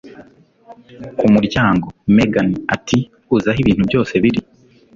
Ku muryango, Megan ati: "Uzi aho ibintu byose biri."